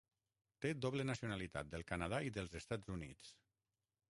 Té doble nacionalitat del Canadà i dels Estats Units.